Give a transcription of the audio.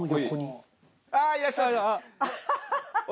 ああーいらっしゃった！